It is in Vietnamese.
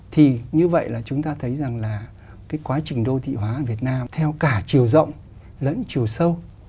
thì như vậy là chúng ta thấy rằng là cái quá trình đô thị hóa việt nam theo cả chiều rộng lẫn chiều sâu